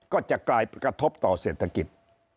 ก็จะกลายกระทบต่อเศรษฐกิจ